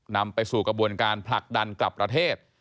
นำไปสู่กระบวนการผลักดันกลับประเทศ